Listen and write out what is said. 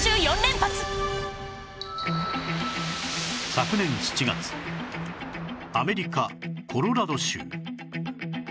昨年７月アメリカコロラド州